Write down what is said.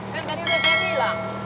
kan tadi udah saya bilang